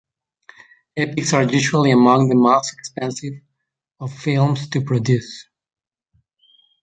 Epics are usually among the most expensive of films to produce.